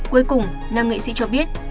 cuối cùng năm nghệ sĩ cho biết